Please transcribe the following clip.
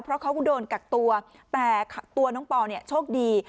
เพราะเขาก็โดนกักตัวแต่ตัวน้องปอเนี่ยโชคดี